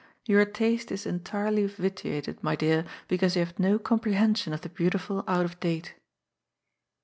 Your taste is entirely vitiated, my dear, because you have no comprehension of the beautiful out of date.